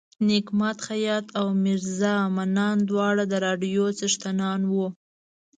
نیک ماد خیاط او میرزا منان دواړه د راډیو څښتنان وو.